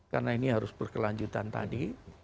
karena ini harus berkelanjutan tadi